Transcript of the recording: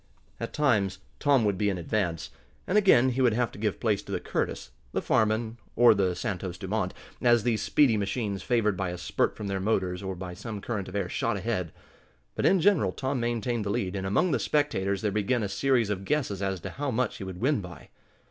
At times Tom would be in advance, and again he would have to give place to the Curtis, the Farman, or the Santos Dumont, as these speedy machines, favored by a spurt from their motors, or by some current of air, shot ahead. But, in general, Tom maintained the lead, and among the spectators there began a series of guesses as to how much he would win by.